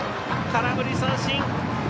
空振り三振。